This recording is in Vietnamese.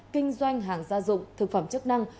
kinh doanh hàng gia dụng thực phẩm chức năng